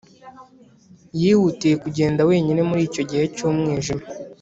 yihutiye kugenda wenyine muri icyo gihe cy’umwijima,